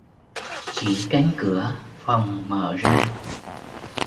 Chỉ cánh cửa phòng mở ra